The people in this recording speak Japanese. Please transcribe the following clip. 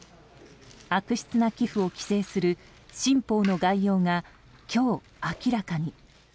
悪質な寄付を規制する新法の概要が今日、明らかに。